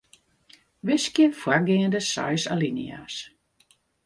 Wiskje foargeande seis alinea's.